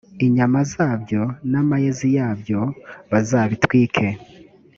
inyama zabyo n amayezi yabyo bazabitwike